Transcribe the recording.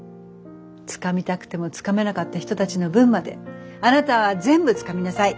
つかみたくてもつかめなかった人たちの分まであなたは全部つかみなさい。